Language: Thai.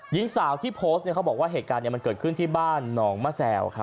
หญิงสาวที่โพสต์เขาบอกว่าเหตุการณ์มันเกิดขึ้นที่บ้านหนองมะแซว